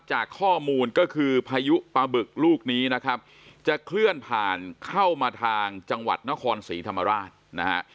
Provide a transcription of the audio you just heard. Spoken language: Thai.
จากข้อมูลก็คือพายุปลาบึกลูกนี้นะครับจะเคลื่อนผ่านเข้ามาทางจังหวัดนครศรีธรรมราชนะฮะ